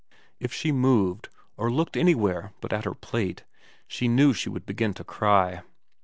If she moved, or looked anywhere but at her plate, she knew she would begin to cry.